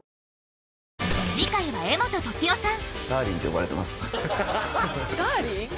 次回は柄本時生さん